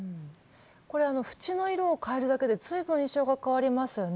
これ縁の色を変えるだけで随分印象が変わりますよね。